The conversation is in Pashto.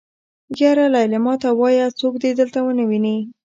يره ليلما ته وايه څوک دې دلته ونه ويني.